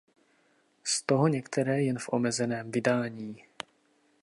Z toho některé jen v omezeném vydání.